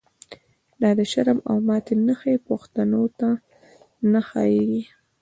دا د شرم او ماتی نښی، پښتنو ته نه ښا ييږی